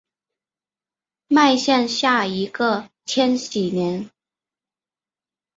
迈向下一个千禧年